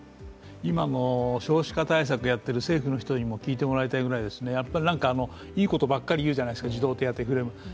今の少子化対策をやっている政府の人にも聞いてもらいたいですけどいいことばっかり言うじゃないですか、児童手当とか。